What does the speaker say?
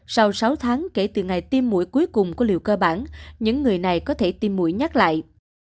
sau sáu tháng kể từ ngày tiêm mũi cuối cùng của liều cơ bản những người này có thể tiêm mũi nhắc lại